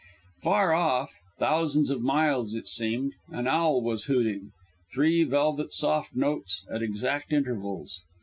Far off thousands of miles, it seemed an owl was hooting, three velvet soft notes at exact intervals.